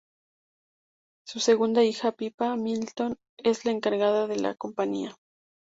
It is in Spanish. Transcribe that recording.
Su segunda hija, Pippa Middleton, es la encargada de la compañía.